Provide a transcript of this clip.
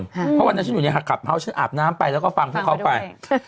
เพราะวันนั้นฉันอยู่ในหักขับเฮ้าส์ฉันอาบน้ำไปแล้วก็ฟังเพื่อนเขาไป